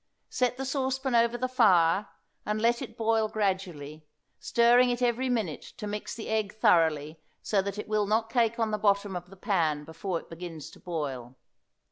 Set the saucepan over the fire and let it boil gradually, stirring it every minute to mix the egg thoroughly so that it will not cake on the bottom of the pan before it begins to boil.